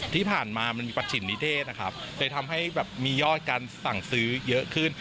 ที่ผ่านมามันมีประถิ่นนิเทศนะครับเลยทำให้แบบมียอดการสั่งซื้อเยอะขึ้น